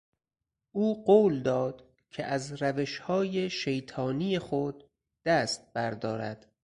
او قول داد که از روشهای شیطانی خود دست بردارد.